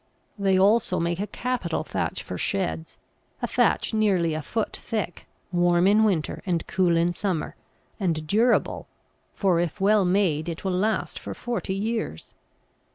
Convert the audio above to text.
They also make a capital thatch for sheds, a thatch nearly a foot thick, warm in winter, and cool in summer, and durable, for if well made it will last for forty years.